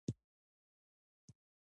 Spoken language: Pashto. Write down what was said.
دوی ډاکټرانو ته ډیر معاش ورکوي.